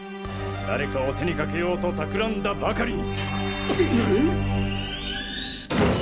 誰かを手にかけようと企んだばかりに！